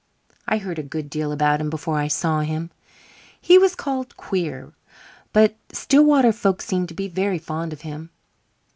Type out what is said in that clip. I heard a good deal about him before I saw him. He was called "queer", but Stillwater folks seemed to be very fond of him.